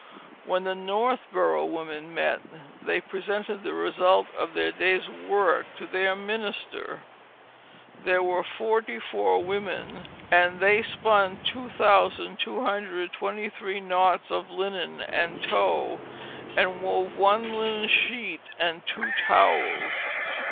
When the Northboro women met, they presented the results of their day's work to their minister. There were forty four women and they spun 2223 knots of linen and tow, and wove one linen sheet and two towels.